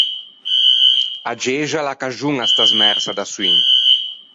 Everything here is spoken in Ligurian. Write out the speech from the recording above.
A Gexa a l’accaxoña sta smersa de açioin.